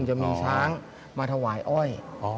จะมีช้างมาถวายอ้อย